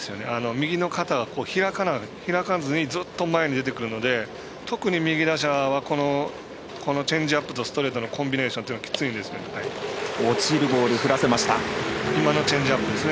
右の肩が開かずにずっと前に出てくるので特に右打者はこのチェンジアップとストレートのコンビネーションというのはきついんですよね。